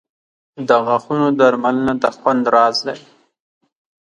• د غاښونو درملنه د خوند راز دی.